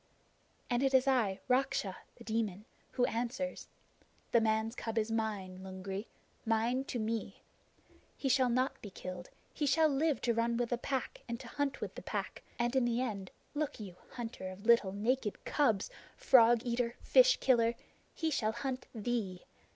"And it is I, Raksha [The Demon], who answers. The man's cub is mine, Lungri mine to me! He shall not be killed. He shall live to run with the Pack and to hunt with the Pack; and in the end, look you, hunter of little naked cubs frog eater fish killer he shall hunt thee!